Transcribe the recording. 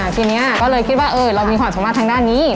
ทีนี้ก็เลยคิดว่าเรามีความสามารถทางด้านนี้